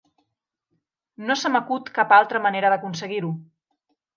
No se m'acut cap altra manera d'aconseguir-ho.